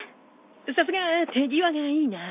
さすが手際がいいな。